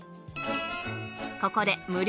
ここで無料